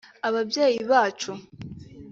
ababyeyi bacu